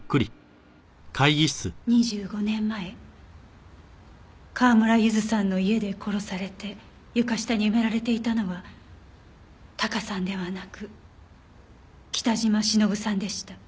２５年前川村ゆずさんの家で殺されて床下に埋められていたのはタカさんではなく北島しのぶさんでした。